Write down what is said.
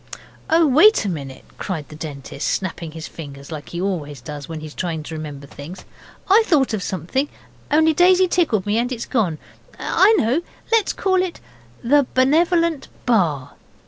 'Oh, wait a minute,' cried the Dentist, snapping his fingers like he always does when he is trying to remember things. 'I thought of something, only Daisy tickled me and it's gone I know let's call it the Benevolent Bar!